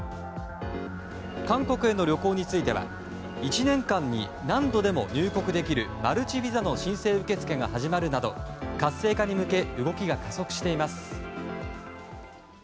韓国への旅行については１年間に何度でも入国できるマルチビザの申請受け付けが始まるなど活性化に向け動きが加速しています。